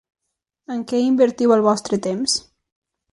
En què invertiu el vostre temps?